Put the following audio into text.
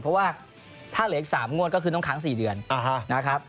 เพราะว่าถ้าเหลืออีก๓งวดก็คือต้องค้าง๔เดือนนะครับ